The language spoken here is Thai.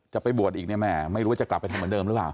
จะไปบวชอีกเนี่ยแม่ไม่รู้ว่าจะกลับไปทำเหมือนเดิมหรือเปล่า